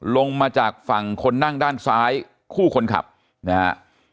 ลงมาจากฝั่งคนนั่งด้านซ้ายคู่คนขับนะฮะ